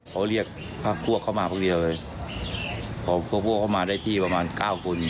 เขาเรียกพักพวกเขามาพวกเดียวเลยพอพวกพวกเขามาได้ที่ประมาณเก้าคน